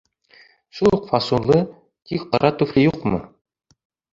Шул уҡ фасонлы, тик ҡара туфли юҡмы?